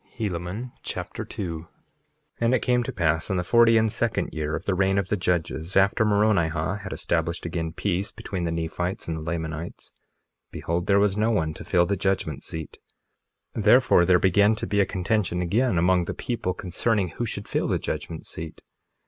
Helaman Chapter 2 2:1 And it came to pass in the forty and second year of the reign of the judges, after Moronihah had established again peace between the Nephites and the Lamanites, behold there was no one to fill the judgment seat; therefore there began to be a contention again among the people concerning who should fill the judgment seat.